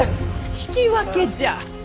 引き分けじゃ！